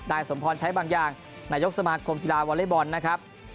สมพรใช้บางอย่างนายกสมาคมกีฬาวอเล็กบอลนะครับ